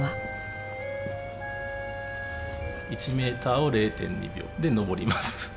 １メーターを０．２秒で登ります。